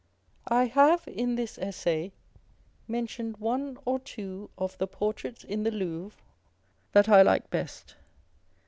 I have in this Essay mentioned one or two of the portraits in the Louvre that I like best.